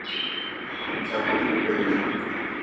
Chak opukore.